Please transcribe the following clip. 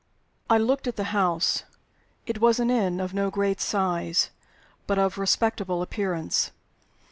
I LOOKED at the house. It was an inn, of no great size, but of respectable appearance.